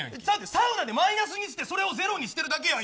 サウナでマイナスにしてそれをゼロにしてるだけやん。